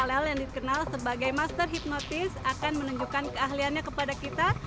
ll yang dikenal sebagai master hipnotis akan menunjukkan keahliannya kepada kita